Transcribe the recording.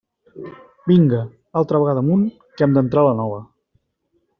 Vinga, altra vegada amunt, que hem d'entrar la nova.